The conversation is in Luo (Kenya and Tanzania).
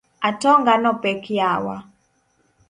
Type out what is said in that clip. Atonga no pek yawa.